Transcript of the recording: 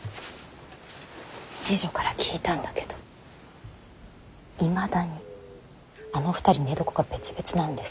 侍女から聞いたんだけどいまだにあの２人寝床が別々なんですって。